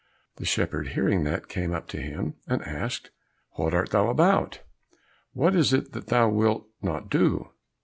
The shepherd hearing that, came up to him, and asked, "What art thou about? What is it that thou wilt not do?"